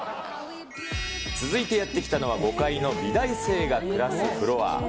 続いてやって来たのは５階の美大生が暮らすフロア。